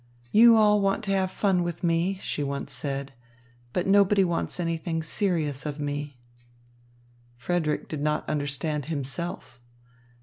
"You all want to have fun with me," she once said, "but nobody wants anything serious of me." Frederick did not understand himself.